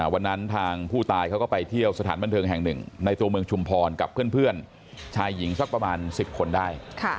วันนั้นทางผู้ตายเขาก็ไปเที่ยวสถานบันเทิงแห่งหนึ่งในตัวเมืองชุมพรกับเพื่อนชายหญิงสักประมาณ๑๐คนได้